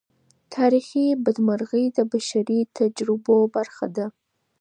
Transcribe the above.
تاریخي بدمرغۍ د بشري تجربو برخه ده.